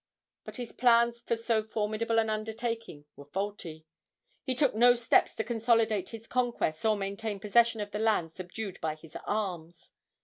But his plans for so formidable an undertaking were faulty. He took no steps to consolidate his conquests or maintain possession of the lands subdued by his arms.